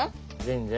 全然。